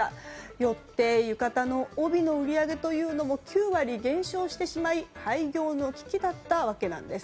よって、浴衣の帯の売り上げも９割減少してしまい廃業の危機だったわけなんです。